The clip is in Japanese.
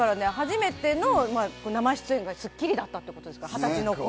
初めての生出演が『スッキリ』だったってことですから、２０歳の頃。